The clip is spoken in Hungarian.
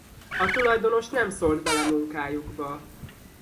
A tulajdonos nem szólt bele munkájukba.